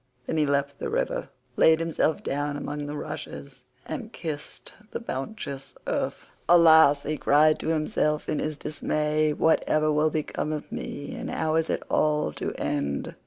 Then he left the river, laid himself down among the rushes, and kissed the bounteous earth. "Alas," he cried to himself in his dismay, "what ever will become of me, and how is it all to end?